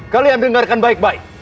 kalian dengarkan baik baik